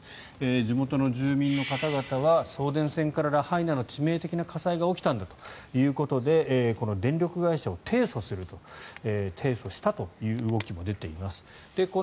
地元の住民の方々は送電線からラハイナの致命的な火災が起きたんだということでこの電力会社を提訴したという動きも出ています。